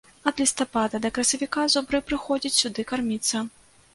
Ад лістапада да красавіка зубры прыходзяць сюды карміцца.